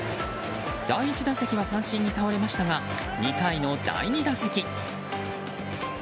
第１打席は三振に倒れましたが２回の第２打席。